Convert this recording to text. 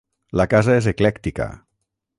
La casa és eclèctica.